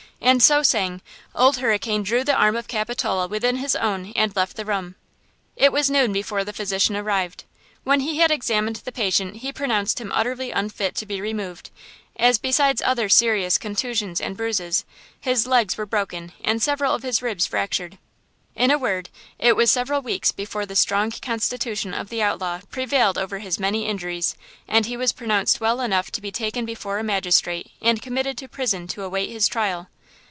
And so saying, Old Hurricane drew the arm of Capitola within his own and left the room. It was noon before the physician arrived. When he had examined the patient he pronounced him utterly unfit to be removed, as besides other serious contusions and bruises, his legs were broken and several of his ribs fractured. In a word, it was several weeks before the strong constitution of the outlaw prevailed over his many injuries, and he was pronounced well enough to be taken before a magistrate and committed to prison to await his trial.